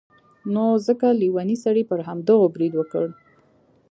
نو ځکه لیوني سړي پر همدغو برید وکړ.